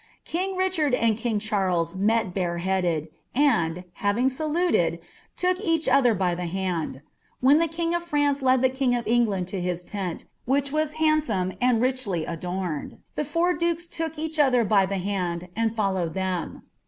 " King Richard and king ChsrlM met bare headed, and, having saluted, took each other by the hand; * len the king of France led the king of EngUnd to his tent, which was Kisome and richly adorned ; the four dukes look each other by the I, and followed them.